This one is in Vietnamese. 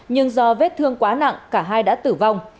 nhưng do vết thương quá nặng cả hai đã tử vong